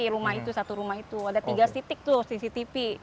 rumah itu satu rumah itu ada tiga titik tuh cctv